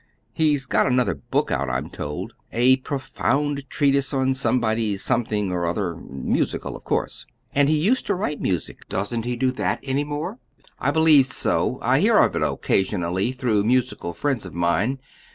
He's got another book out, I'm told a profound treatise on somebody's something or other musical, of course." "And he used to write music; doesn't he do that any more?" "I believe so. I hear of it occasionally through musical friends of mine.